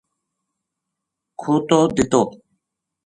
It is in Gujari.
کھوتو دتو